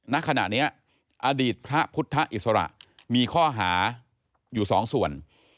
ณขณะนี้อดีตพระพุทธอิสระมีข้อหาอยู่สองส่วน